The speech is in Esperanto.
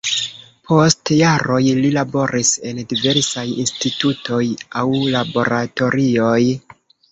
Post jaroj li laboris en diversaj institutoj aŭ laboratorioj.